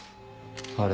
あれ？